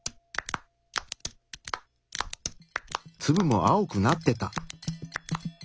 ツブも青くなってた。